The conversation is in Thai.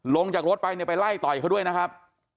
ลงจากรถไปเนี่ยไปไล่ต่อยเขาด้วยนะครับ